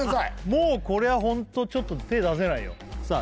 もうこれはホントちょっと手出せないよさあ